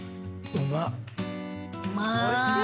うまい。